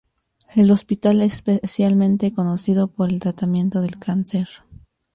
El hospital es especialmente conocido por el tratamiento del cáncer.